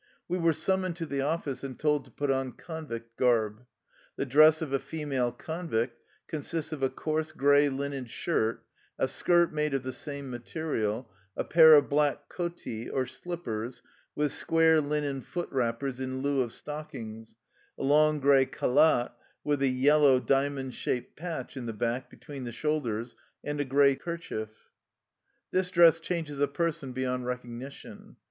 We were summoned to the office and told to put on convict garb. The dress of a female convict consists of a coarse gray linen shirt, a skirt made of the same material, a pair of black kotiy or slippers, with square linen foot wrappers in lieu of stock ings, a long gray khaldt ^ with a yellow diamond shaped patch in the back between the shoulders, and a gray kerchief. This dress changes a per son beyond recognition.